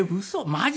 マジ？